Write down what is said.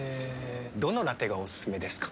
どのラテがおすすめですか？